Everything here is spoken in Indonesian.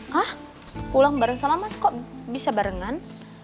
hah pulang bareng sama mas kok bisa barengan